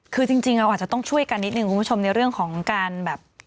คือจริงเราอาจจะต้องช่วยกันนิดนึงคุณผู้ชมในเรื่องของการแบบ